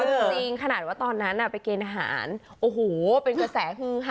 จริงขนาดว่าตอนนั้นไปเกณฑ์อาหารโอ้โหเป็นกระแสฮือฮา